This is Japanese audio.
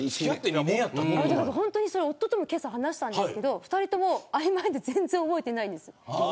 夫とも、けさ話したんですけど２人とも曖昧で全然、覚えていないんです。